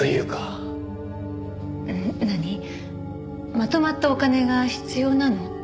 まとまったお金が必要なの？